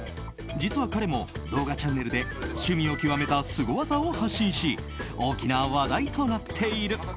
実は彼も動画チャンネルで趣味を極めたスゴ技を発信し大きな話題となっている。